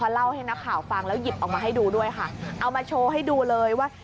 เล่าให้นักข่าวฟังแล้วหยิบออกมาให้ดูด้วยค่ะเอามาโชว์ให้ดูเลยว่า